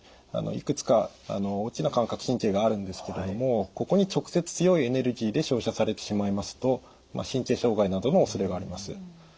いくつか大きな感覚神経があるんですけれどもここに直接強いエネルギーで照射されてしまいますと神経障害などのおそれがあります。